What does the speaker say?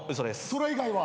それ以外は？